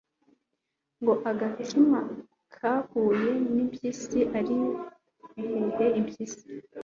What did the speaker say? ngo agakima kahuye n'impyisi, ariyo bihehe impyisi